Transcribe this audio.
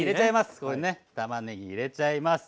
ここにねたまねぎ入れちゃいます。